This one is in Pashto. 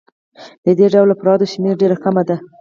د دې ډول افرادو شمېره ډېره کمه ده